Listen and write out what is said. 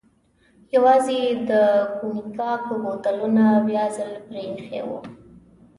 یوازې یې د کونیګاک بوتلونه بیا ځل پرې ایښي و.